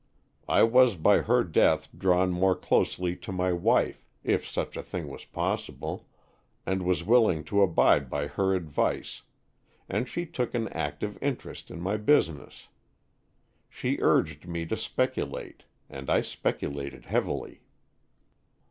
I was by her death drawn more closely to my wife, if such a thing was possible, and was willing to abide by her advice, and she took an active inter est in my business. She urged me to speculate, and I speculated heavily.